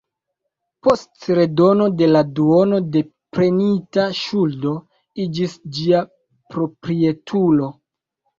Post redono de la duono de prenita ŝuldo iĝis ĝia proprietulo.